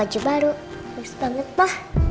harus banget ma